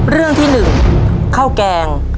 เรื่องที่๑ข้าวแกง